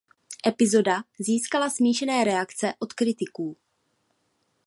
Epizoda získala smíšené reakce od kritiků.